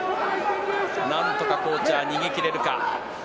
なんとかコーチャー逃げ切れるか。